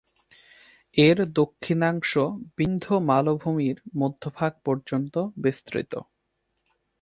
এর দক্ষিণাংশ বিন্ধ্য-মালভূমির মধ্যভাগ পর্যন্ত বিস্তৃত।